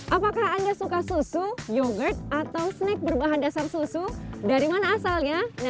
apakah anda suka susu yogurt atau snack berbahan dasar susu dari mana asalnya